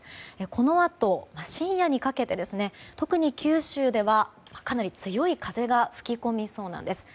このあと深夜にかけて特に九州ではかなり強い風が吹き込みそうなんです。